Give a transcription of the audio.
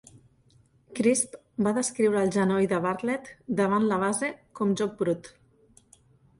Crisp va descriure el genoll de Bartlett davant la base com "joc brut".